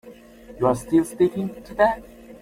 You're still sticking to that?